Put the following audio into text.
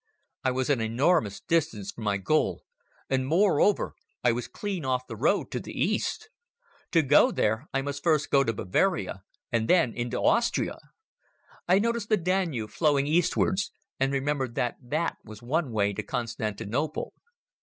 I was an enormous distance from my goal and moreover I was clean off the road to the East. To go there I must first go to Bavaria and then into Austria. I noticed the Danube flowing eastwards and remembered that that was one way to Constantinople.